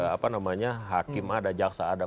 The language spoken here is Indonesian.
apa namanya hakim ada jaksa ada